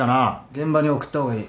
現場に送った方がいい。